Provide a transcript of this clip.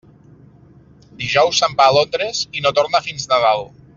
Dijous se'n va a Londres i no torna fins Nadal.